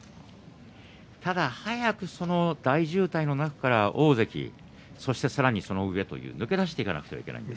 ただ早くその大渋滞の中から大関そしてさらにその上へ抜け出していかなくてはいけません。